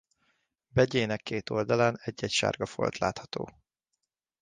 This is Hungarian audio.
Begyének két oldalán egy-egy sárga folt látható.